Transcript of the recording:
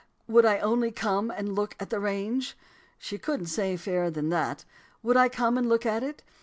would I only come and look at the range? She couldn't say fairer than that. Would I come and look at it?'